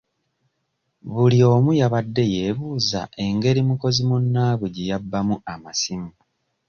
Buli omu yabadde yeebuuza engeri mukozi munnaabwe gye yabbamu amasimu.